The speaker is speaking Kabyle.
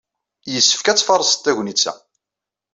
Yessefk ad tfaṛseḍ tagnit-a.